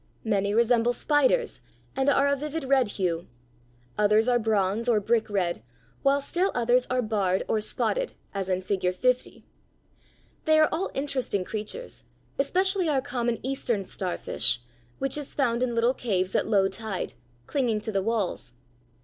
Many resemble spiders, and are a vivid red hue, others are bronze or brick red, while still others are barred or spotted, as in Figure 50. They are all interesting creatures, especially our common Eastern starfish, which is found in little caves at low tide, clinging to the walls.